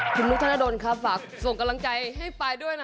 คุณนุฏธนดรณ์ครับฝากส่งกัลลังใจให้ปาให้ด้วย